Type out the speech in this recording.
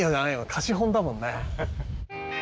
貸本だもんね。